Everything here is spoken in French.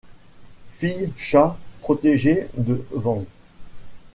Fille-chat, protégée de Van.